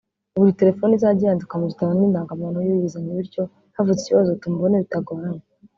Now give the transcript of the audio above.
buri telefone izajye yandikwa mu gitabo n’indangamuntu y’uyizanye bityo havutse ikibazo tumubone bitagoranye